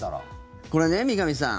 これね、三上さん